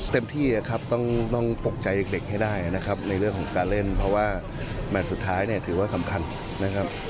เต็มที่ครับต้องปกใจเด็กให้ได้นะครับในเรื่องของการเล่นเพราะว่าแมทสุดท้ายเนี่ยถือว่าสำคัญนะครับ